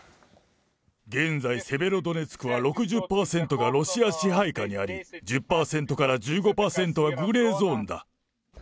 現在、セベロドネツクは６０％がロシア支配下にあり、１０％から１５％はグレーゾーンだ。